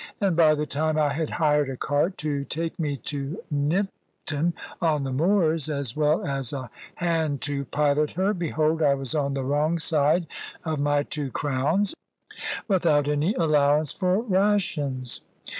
And by the time I had hired a cart to take me to Nympton on the Moors, as well as a hand to pilot her, behold I was on the wrong side of my two crowns, without any allowance for rations.